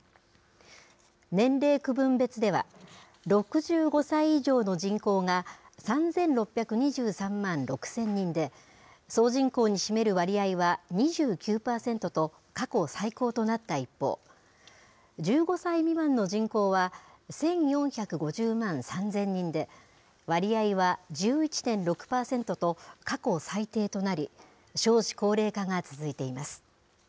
年齢区分別では、６５歳以上の人口が、３６２３万６０００人で、総人口に占める割合は２９％と、過去最高となった一方、１５歳未満の人口は、１４５０万３０００人で、割合は１１．６％と、過去最低となり、少子高齢化が続いています。